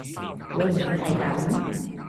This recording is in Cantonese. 會唔會係噉